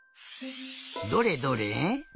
どれどれ。